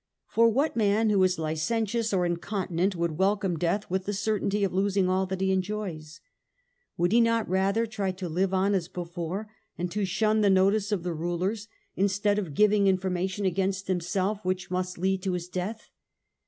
For what man who is licentious or incontinent would welcome death with the certainty of losing all that he enjoys ? Would he not rather try to live on as before, and to shun the notice of the rulers, instead of giving information against himself which must lead to his death?